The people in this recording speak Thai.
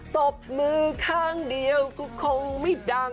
ตบมือข้างเดียวก็คงไม่ดัง